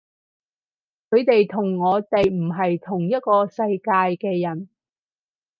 佢哋同我哋唔係同一個世界嘅人